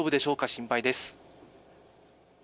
心配です。